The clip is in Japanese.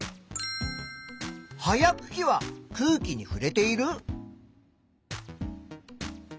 葉やくきは空気にふれている？